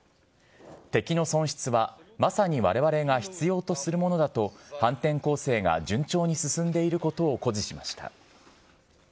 敵の損失はまさにわれわれが必要とするものだと、反転攻勢が順調に進んでいることを誇示しました。